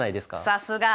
さすが！